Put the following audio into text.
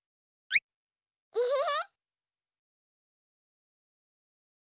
ウフフ。